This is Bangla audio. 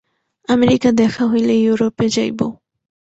আমেরিকা দেখা হইলে ইউরোপে যাইব।